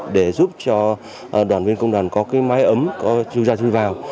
để giúp cho đoàn viên công đoàn có cái máy ấm có chui ra chui vào